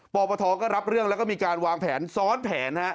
ปปทก็รับเรื่องแล้วก็มีการวางแผนซ้อนแผน